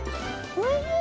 おいしい？